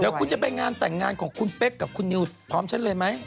เดี๋ยวคุณจะไปงานแต่งงานของคุณเป๊กกับคุณนิวพร้อมฉันเลยไหม